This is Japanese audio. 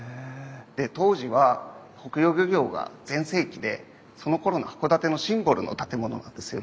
で当時は北洋漁業が全盛期でそのころの函館のシンボルの建物なんですよね。